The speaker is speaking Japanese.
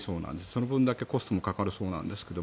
その分だけコストもかかるそうですが。